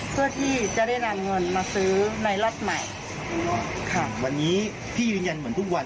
เพื่อที่จะได้นำเงินมาซื้อในล็อตใหม่ค่ะวันนี้พี่ยืนยันเหมือนทุกวัน